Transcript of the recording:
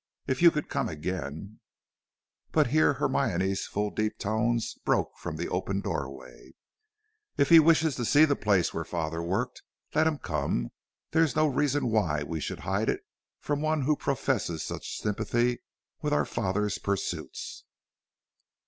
If you could come again " But here Hermione's full deep tones broke from the open doorway. "If he wishes to see the place where father worked, let him come; there is no reason why we should hide it from one who professes such sympathy with our father's pursuits."